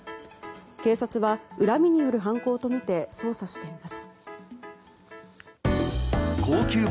警察は、恨みによる犯行とみて捜査しています。